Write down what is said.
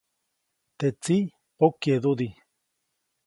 Teʼ tsiʼ pokyeʼdudi.